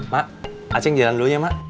mak acing jalan dulunya mak